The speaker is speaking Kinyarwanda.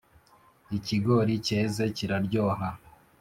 – ikigori keze kiraryoha.